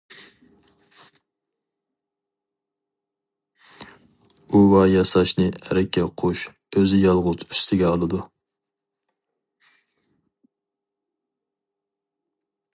ئۇۋا ياساشنى ئەركەك قۇش ئۆزى يالغۇز ئۈستىگە ئالىدۇ.